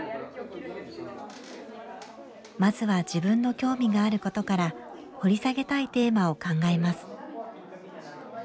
まずは自分の興味があることから掘り下げたいテーマを考えます。